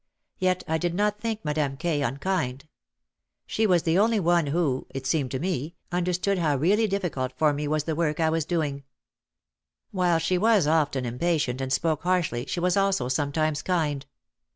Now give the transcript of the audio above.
Yet I did not think Madame K. unkind. She was the only one who, it seemed to me, understood how really difficult for me was the work I was doing. While she was often impatient and spoke harshly she was also sometimes kind.